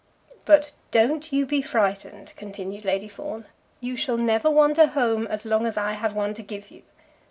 "But don't you be frightened," continued Lady Fawn; "you shall never want a home as long as I have one to give you.